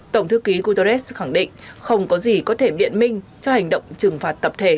tổng thư ký guterres khẳng định không có gì có thể biện minh cho hành động trừng phạt tập thể